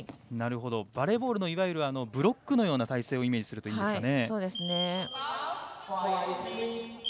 バレーボールのいわゆるブロックのような体勢をイメージするといいですね。